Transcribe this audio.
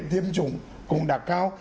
tiêm chủng cũng đã cao